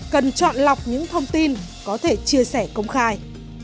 cần chọn lọc những thông tin có thể chia sẻ công khai